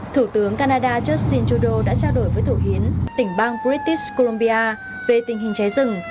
thủ tướng canada justin trudeau đã trao đổi với thủ hiến tỉnh bang british columbia về tình hình trái rừng